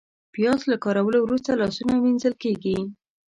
پیاز له کارولو وروسته لاسونه وینځل کېږي